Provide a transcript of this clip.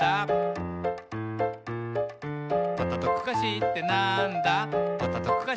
「パタトクカシーーってなんだ？」